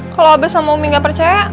kalau abah sama umi nggak percaya